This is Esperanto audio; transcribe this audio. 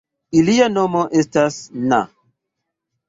Ilia nomo estas na.